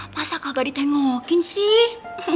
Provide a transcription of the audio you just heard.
masa kagak ditengokin sih